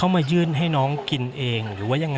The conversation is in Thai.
ที่โพสต์ก็คือเพื่อต้องการจะเตือนเพื่อนผู้หญิงในเฟซบุ๊คเท่านั้นค่ะ